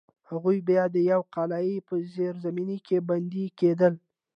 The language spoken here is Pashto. هغوی به د یوې قلعې په زیرزمینۍ کې بندي کېدل.